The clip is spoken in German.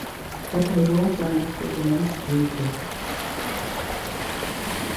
Bataillon seines Regiments diente.